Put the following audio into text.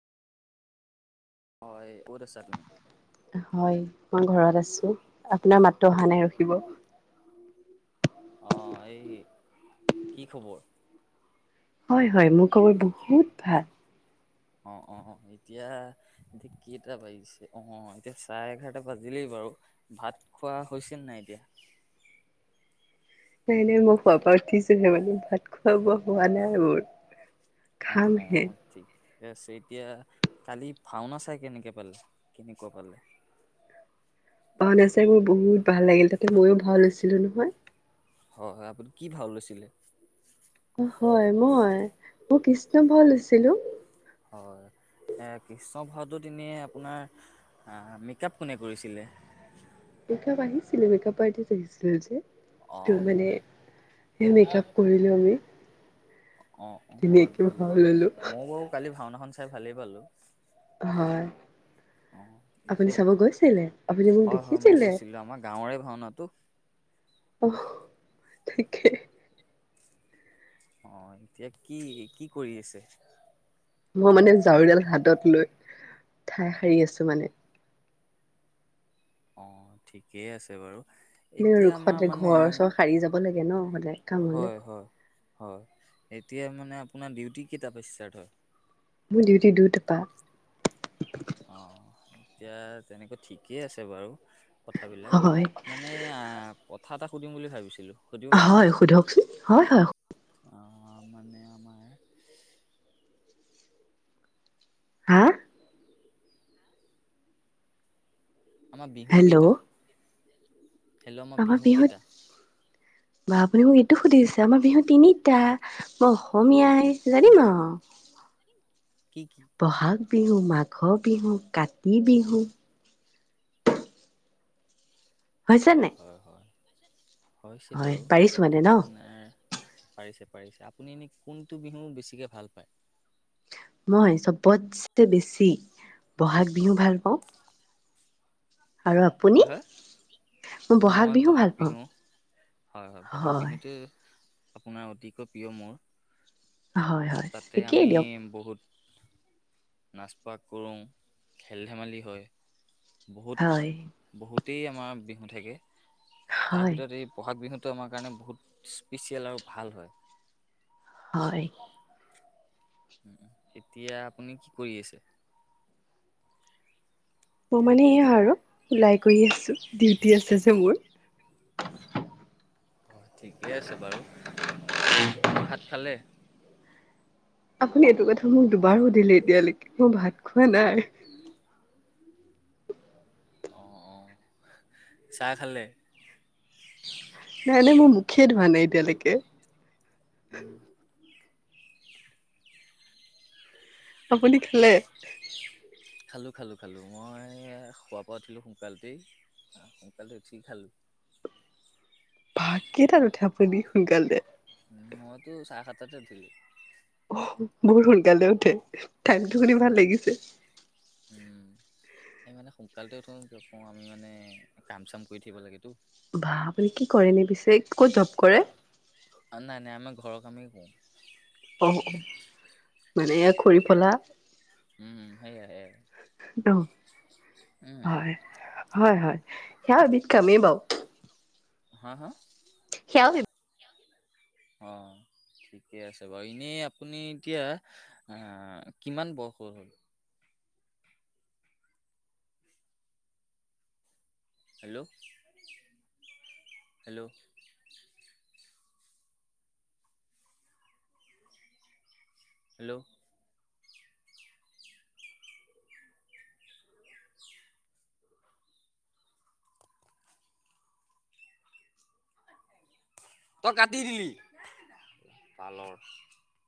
হয় কত আছা তুমি? হয় মই ঘৰত আছো আপোনাৰ মাতটো অহা নাই ৰখিব। অঁ এই কি খবৰ? হয় হয় মোৰ কবৰ বহুত ভাল অ অ এতিয়া এতিয়া ক এটা বাজিছে আহ এতিয়া চাহ এঘাৰটা বাজিলেই বাৰু ভাত খোৱা হৈছিল নাই এতিয়া। নাই নাই মই খোৱা পৰা উঠিছোহে মানে ভাত খোৱা বোৱা হোৱা নাই মোৰ। অ অ খামহে অ ঠিক ঠিক আছে এতিয়া, কালি ভাওনা চাই কেনেকে পালে কেনেকুৱা পালে? অ নাচাই মোৰ বহুত ভাল লাগিল তাতে ময়ো ভাল হৈছিলো নহয়। হয় হয় আপুনি কি ভাও লৈছিলে? হয় মই মই কৃষ্ণ ভাও লৈছিলো। হয় কৃষ্ণ ভাৰদূুত এনে আপোনাৰ মেকআপ কোনে কৰিছিলে মেকআপ আহিছিলে মেকআৰ্টিষ্ট আহিছিলে যে। অ ত মানে স মেক আপ কৰিলো আমি। অ অ ধুনীয়াকে ভাও দিয়ক ললো ময়ও বাৰু কালি ভাওনাখন ভালেই পালো হয়, আপুনি এতিয়া চাব গৈছিলে? আপুনি মোক হয় হয় মই দেখিছিলে? গৈছিলো আমাৰ গাঁৱৰে ভাওনাটো অহ, তাকে অ', এতিয়া কি কি কৰি আছে? মই মানে ঝাৰুডাল হাতত লৈ ঠাই সাৰি আছো মানে। অ', ঠিকেই আছে বাৰু। এতিয়া আমাৰ ৰোখতে মানে ঘৰ চৰ সাৰি যাব লাগে ন? [unintelligible] হয়, হয়, হয়। এতিয়া মানে আপোনাৰ ডিউটি কেইটাৰ পৰা ষ্টাৰ্ট হয়? মোৰ ডিউটি দুটপা। অ', এতিয়া তেনেকুৱা ঠিকেই আছে বাৰু। কথাবিলাক হয় মানে আহ, কথা এটা সুধিম বুলি ভাবিছিলোঁ। সুধিব পাৰিমনে হয়, সোধকচোন হয়, হয়। অ মানে আমাৰ হা আমাৰ হেল্ল' বিহুকেইটা? হেল্ল, ম আমাৰ বিহু বিহুত কেইটা? বা আপুনি মোক এইটো সুধিছে আমাৰ বিহু তিনিটা মই অসমীয়া ই কি জানিম কি আউ কি কি বহাগ বিহু, মাঘৰ বিহু, কাতি বিহু। হৈছে হয় নে? হয় হয় হৈছে বাৰু কিন্তু ন আপোনাৰ পাৰিছে, পাৰিছে আপুনি এনে কোনটো বিহু বেছিকে ভাল পায়? মই চবতছে বেছি বহাগ বিহু ভাল পাওঁ। আৰু আপুনি হয়, হয় মই বহাগ বিহু হয়, হয় বহাগ বিহুটো আপোনাৰ অতিকৈ প্ৰিয় মোৰ। হয়, হয় একেই দিয়ক। নাচপাগ কৰো, খেল ধেমালি হয়। বহুত হয়। বহুতেই আমাৰ বিহু থাকে। তাৰ হয়, ভিতৰত এই বহাগ বিহুত, ত' আমাৰ কাৰণে বহুত স্পেচিয়েল আৰু ভাল হয়। হয়। উম, এতিয়া আপুনি কি কৰি আছে? মই মানে এয়া আৰু ওলাই গৈয়ে আছো। ডিউটি আছে যে, মোৰ। অ', ঠিকে আছে বাৰু। ভাত খালে? আপুনি এইটো কথা মোক দুবাৰো সুধিলে এতিয়ালৈকে, মই ভাত খোৱা নাই? অ', -অ', চাহ খালে? নাই-নাই মোৰ মুখেই ধোৱা নাই এতিয়ালেকে। উম। আপুনি খালে? খালো-খালো-খালো, মই সুৱাৰ পৰা উঠিলো সোনকালতেই-সোনকালতে উঠি খালো। বাহ, কেইটাত উঠে আপুনি সোনকালে? মইতো চাৰে সাতটাতে উঠিলো। বৰ সোনকালে উঠে। টাইমটো শুনি ভাল উম লাগিছে। উম আমি মানে সোনকালতে উঠো আমি মানে কাম চাম কৰি থাকিব লাগেতো। বা, আপুনি কি কৰে এনে পিছে? ক'ত জব কৰে? অ নাই নাই আমাৰ ঘৰৰ কামেই কৰোঁ। অ', মানে এয়া খৰি ফলা। উম, সেইয়ায়ে ন উম। সেয়া‌ এবিধ কামেই বাউ। হা-হা, সেইয়া অ', ঠিকে আছে বাৰু এনেই আপুনি এতিয়া অহ কিমান বয়সৰ হ'ল? Hello, -hello. হেল্ল', তই কাটি দিলি বালৰ